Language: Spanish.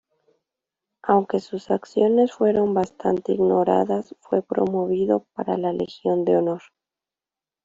Aunque sus acciones fueron bastante ignoradas, fue promovido para la Legión de Honor.